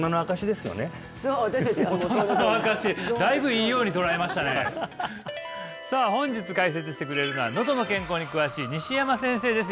そう私達は大人のゾーンにだいぶいいように捉えましたねさあ本日解説してくれるのはのどの健康に詳しい西山先生です